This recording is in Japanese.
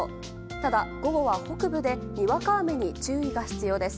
ただ、午後は北部でにわか雨に注意が必要です。